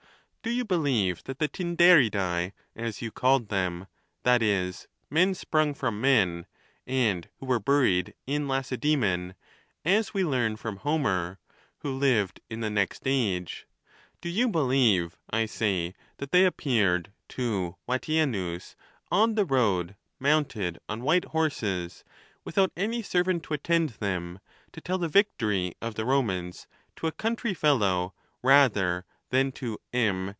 Do you believe that the Tyn daridse, as you called them ; that is, men sprung from men, and who were buried in Lacedseraon, as we learn from Ho mer, who lived in the next age — do you believe, I say, that they appeared to Vatienus on the road mounted on white horses, without any servant to attend them, to tell the vic tory of the Romans to a country fellow rather than to M.